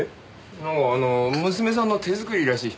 なんか娘さんの手作りらしい。